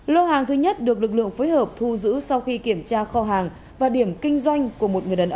lô hàng thứ nhất được lực lượng phối hợp thu giữ sau khi kiểm tra kho hàng và điểm kinh doanh của một người đàn ông